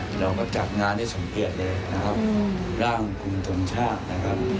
ราชการเนี่ยเราก็จัดงานที่สมเกียรติเลยนะครับร่างคุณธรรมชาตินะครับ